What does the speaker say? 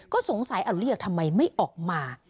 ก็สงสัยเอาเรียกทำไมไม่ออกมา